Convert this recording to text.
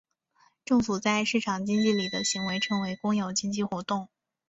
政府在市场经济里的行为称为公有经济活动。